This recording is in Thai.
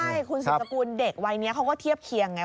ใช่คุณสุดสกุลเด็กวัยนี้เขาก็เทียบเคียงไง